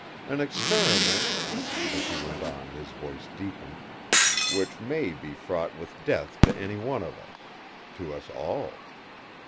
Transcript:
An experiment," as he went on his voice deepened, "which may be fraught with death to any one of us—to us all!